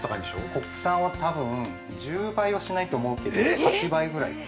◆国産は多分、１０倍はしないと思うけど８倍ぐらいです。